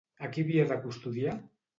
A qui havia de custodiar?